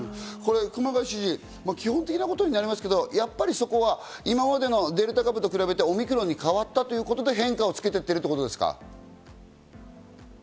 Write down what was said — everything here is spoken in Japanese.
熊谷知事、基本的なことになりますけど、やっぱりそこは今までのデルタとかと比べてオミクロンに変わったということで変化をつけているということですか？